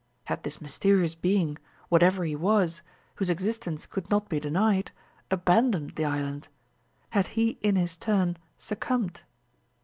Had this mysterious being, whatever he was, whose existence could not be denied, abandoned the island? Had he in his turn succumbed?